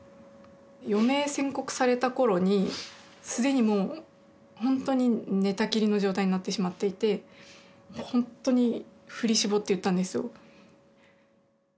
余命宣告された頃にすでにもう本当に寝たきりの状態になってしまっていて本当に振り絞って言ったんですよ。